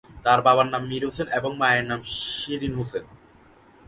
তার বাবার নাম মীর হোসেন এবং মায়ের নাম শিরীন হোসেন।